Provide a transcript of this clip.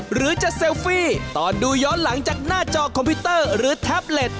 หรือจะเซลฟี่ตอนดูย้อนหลังจากหน้าจอคอมพิวเตอร์หรือแท็บเล็ต